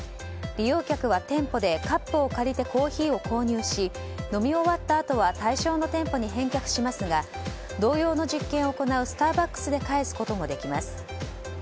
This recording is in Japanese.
利用客は店舗でカップを借りてコーヒーを購入し飲み終わったあとは対象の店舗に返却しますが同様の実験を行うスターバックスで返すこともできます。